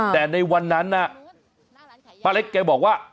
แต่ในวันนั้นน่ะป้าเล็กแกบอกว่า